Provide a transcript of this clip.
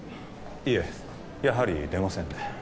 いえやはり出ませんね